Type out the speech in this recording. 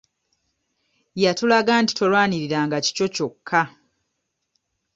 Yatulaga nti tolwanirira nga kikyo kyokka.